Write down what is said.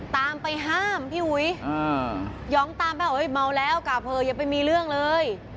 ตามไปห้ามพี่อุ๋ยหยองตามไปว่าเมาแล้วกะเผลออย่าไปมีเรื่องเลย